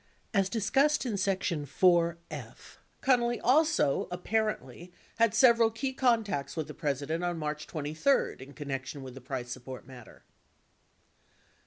As discussed in section IV.F, Connally also apparently had several key contacts with the President on March 23 in connection with the price support matter.